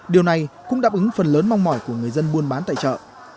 điều này cũng đáp ứng phần lớn mong mỏi của người dân buôn bán tại chợ